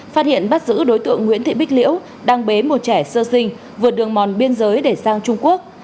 phát hiện bắt giữ đối tượng nguyễn thị bích liễu đang bế một trẻ sơ sinh vượt đường mòn biên giới để sang trung quốc